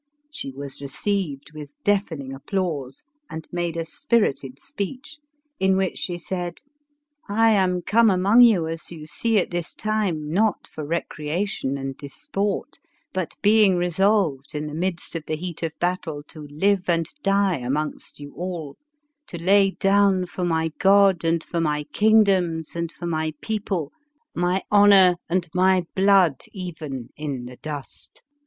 She was received with deafening applause, and made a spirited speech, in which she said, " I am come among you as you see at this time, not for recreation and disport, but being resolved, in the midst of the heat of battle, to live and die amongst you all — to lay down for my God, and for my kingdoms, and for my people, my honor and my blood even in the dust.